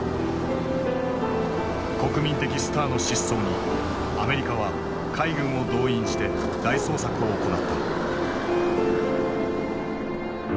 国民的スターの失踪にアメリカは海軍を動員して大捜索を行った。